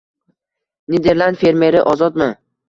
—Niderland fermeri ozodmi?